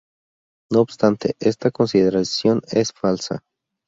No obstante, esta consideración es falsa.